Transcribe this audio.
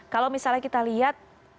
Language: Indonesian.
kalau misalnya kita lihat